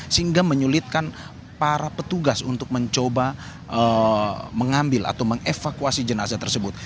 sehingga menyulitkan para petugas untuk mencoba mengambil atau mengevakuasi jenazah tersebut